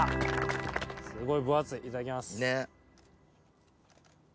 すごい分厚いいただきます！ね！